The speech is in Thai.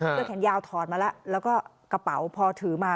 แขนยาวถอดมาแล้วแล้วก็กระเป๋าพอถือมา